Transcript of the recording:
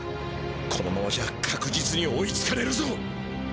このままじゃかくじつに追いつかれるぞ。